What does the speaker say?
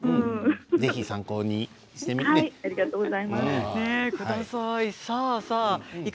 ぜひ参考にしてみてください。